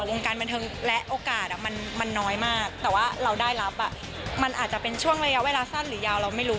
วงการบันเทิงและโอกาสมันน้อยมากแต่ว่าเราได้รับมันอาจจะเป็นช่วงระยะเวลาสั้นหรือยาวเราไม่รู้